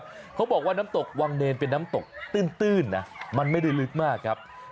แบบนี้แหละครับเค้าบอกว่าน้ำตกวางเนนเป็นน้ำตกตื้นนะมันไม่ได้ลึกมากครับ